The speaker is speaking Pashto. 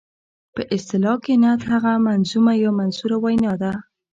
په اصطلاح کې نعت هغه منظومه یا منثوره وینا ده.